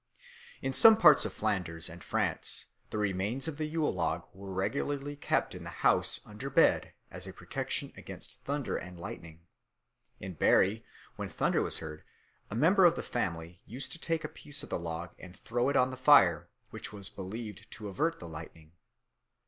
In some parts of Flanders and France the remains of the Yule log were regularly kept in the house under a bed as a protection against thunder and lightning; in Berry, when thunder was heard, a member of the family used to take a piece of the log and throw it on the fire, which was believed to avert the lightning.